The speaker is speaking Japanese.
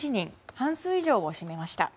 半数以上を占めました。